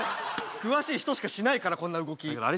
詳しい人しかしないからこんな動きあれ